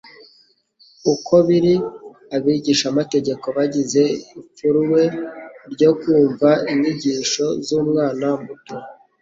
uko biri. Abigishamategeko bagize ipfuruwe ryo kumva inyigisho z'umwana muto.